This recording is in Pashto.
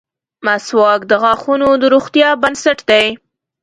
• مسواک د غاښونو د روغتیا بنسټ دی.